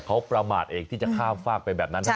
เขาประมาทเองที่จะข้ามฝากไปแบบนั้น